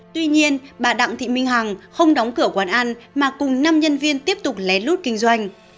tuy nhiên bà đặng thị minh hằng không đóng cửa quán ăn mà cùng năm nhân viên tiếp tục lén lút kinh doanh